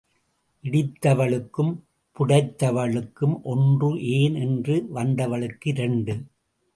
இடித்தவளுக்கும் புடைத்தவளுக்கும் ஒன்று ஏன் என்று வந்தவளுக்கு இரண்டு.